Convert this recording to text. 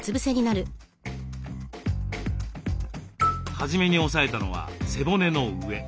初めに押さえたのは背骨の上。